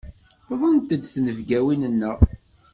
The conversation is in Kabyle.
Wwḍent-d tnebgawin-nneɣ.